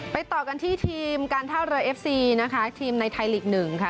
ต่อกันที่ทีมการท่าเรือเอฟซีนะคะทีมในไทยลีกหนึ่งค่ะ